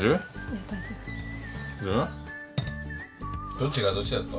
どっちがどっちだった？